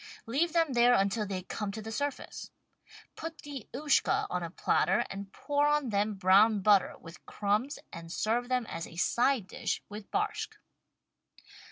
Leave them there until they come to the surface. Put the Ushka on a platter and pour on them brown butter with crumbs and serve them as a side dish with barshck.